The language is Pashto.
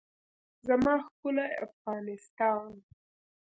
زما ښکلی افغانستان.